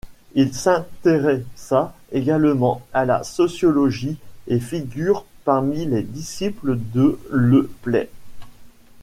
Il s'intéressa également à la sociologie et figure parmi les disciples de Le Play.